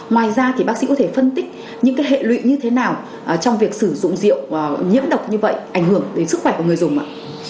ngoài ra thì bác sĩ có thể phân tích những hệ lụy như thế nào trong việc sử dụng rượu nhiễm độc như vậy ảnh hưởng đến sức khỏe của người dùng ạ